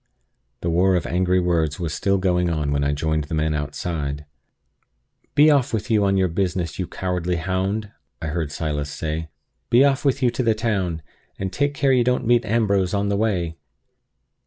The war of angry words was still going on when I joined the men outside. "Be off with you on your business, you cowardly hound!" I heard Silas say. "Be off with you to the town! and take care you don't meet Ambrose on the way!"